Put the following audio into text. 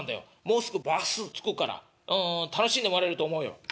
もうすぐバス着くからうん楽しんでもらえると思うよ」。